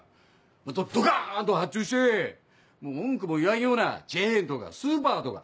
もっとドカンと発注して文句も言わんようなチェーンとかスーパーとか。